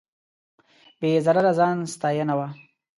بې ضرره ځان ستاینه وه.